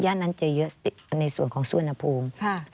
นั้นจะเยอะในส่วนของสุวรรณภูมิ